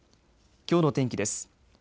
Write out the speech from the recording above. きょうの天気です。